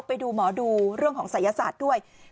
ไปดูหมอดูเรื่องของศัยศาสตร์ด้วย